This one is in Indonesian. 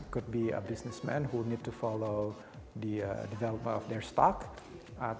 mungkin seorang bisnis yang perlu mengikuti pengembangan stok mereka